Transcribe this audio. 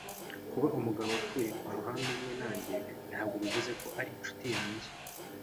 Kuba umugabo atuye kumuhanda umwe nanjye ntabwo bivuze ko ari inshuti yanjye.